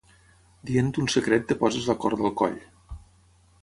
Dient ton secret et poses la corda al coll.